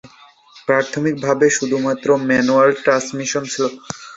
প্রাথমিকভাবে শুধুমাত্র manual transmission ছিল।